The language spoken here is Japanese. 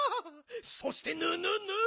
そしてぬぬぬ？